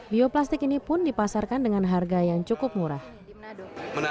bioplastik ini pun berhasil menjadikan plastik yang terbaik